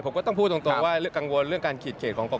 ผมก็ต้องพูดตรงว่ากังวลเรื่องการขีดเขตของกรม